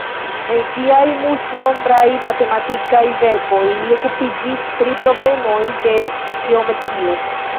En siaj multnombraj matematikaj verkoj li okupiĝis pri problemoj de geometrio.